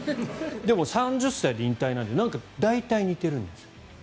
でも３０歳で引退なので大体似てるんです。